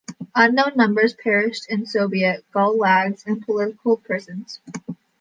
Unknown numbers perished in Soviet "gulags" and political prisons.